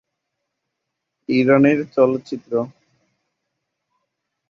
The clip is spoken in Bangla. ইরানের চলচ্চিত্র